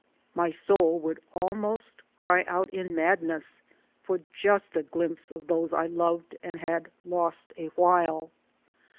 My soul would almost cry out in madness for just a glimpse of those I loved and had "lost a while."